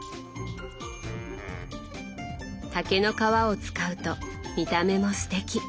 竹の皮を使うと見た目もすてき。